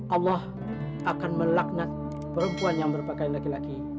allah akan melaknat perempuan yang berpakaian laki laki